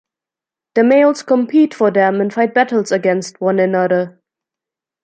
The males compete for them and fight battles against one another.